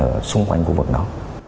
ở xung quanh khu vực đó